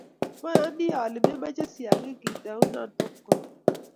moyoni ale memoche siagik kendenoun popkon